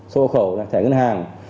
số hộ khẩu thẻ ngân hàng